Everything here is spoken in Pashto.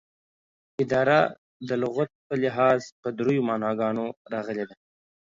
اداره دلغت په لحاظ په دریو معناګانو راغلې ده